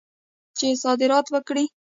چې صادرات وکړي.